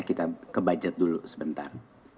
kita ke budget dulu sebentar